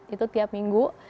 itu tiap minggu